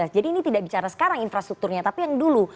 jadi ini tidak bicara sekarang infrastrukturnya tapi yang dulu